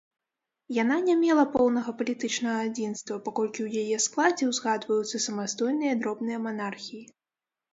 Яна не мела поўнага палітычнага адзінства, паколькі ў яе складзе ўзгадваюцца самастойныя дробныя манархіі.